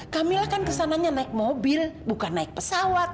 kamilah kan kesananya naik mobil bukan naik pesawat